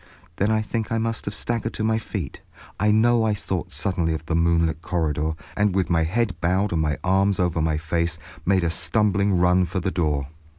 Then I think I must have staggered to my feet. I know I thought suddenly of the moonlit corridor, and with my head bowed and my arms over my face, made a stumbling run for the door.